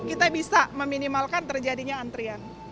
kita bisa meminimalkan terjadinya antrian